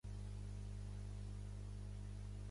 El llac Waconia és el més gran i de renom a Carver.